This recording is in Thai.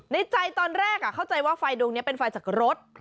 ในใจตอนแรกเข้าใจว่าไฟดวงนี้เป็นไฟจากรถ